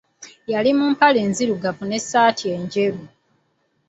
Yali mu mpale enzirugavu n'essaati enjeru.